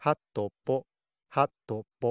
はとぽぽ。